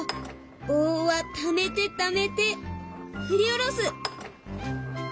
棒はためてためて振り下ろす！